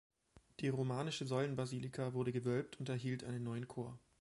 Die romanische Säulenbasilika wurde gewölbt und erhielt einen neuen Chor.